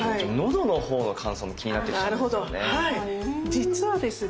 実はですね